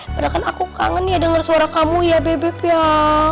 padahal kan aku kangen ya dengar suara kamu ya bebek ya